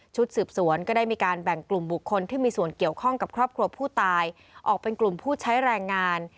สืบสวนก็ได้มีการแบ่งกลุ่มบุคคลที่มีส่วนเกี่ยวข้องกับครอบครัวผู้ตายออกเป็นกลุ่มผู้ใช้แรงงาน